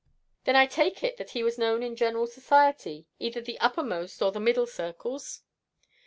"Then I take it that he was known in general society, either the uppermost or the middle circles."